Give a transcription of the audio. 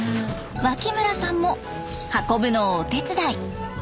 脇村さんも運ぶのをお手伝い。